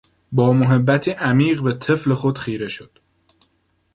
با محبتی عمیق به طفل خود خیره شد.